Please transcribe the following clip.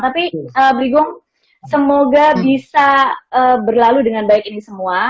tapi brigong semoga bisa berlalu dengan baik ini semua